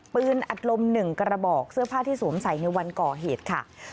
อัดลม๑กระบอกเสื้อผ้าที่สวมใส่ในวันก่อเหตุค่ะ